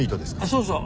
そうそう。